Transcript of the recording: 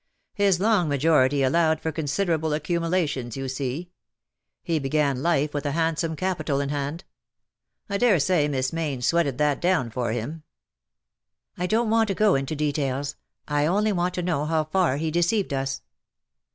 His long majority allowed for considerable accumulations, you see. He began life with a handsome capital in hand. I dare say Miss jNIayne sweated that down for him !'*'^ I don't want to go into details — I only want to know how far he deceived us